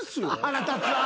腹立つわ！